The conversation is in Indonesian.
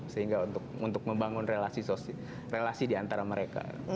sehingga untuk membangun relasi di antara mereka